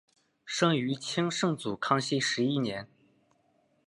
生于清圣祖康熙十一年。